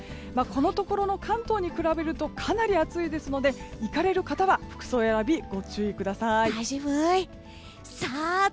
このところの関東に比べるとかなり暑いですので行かれる方は服装選びご注意ください。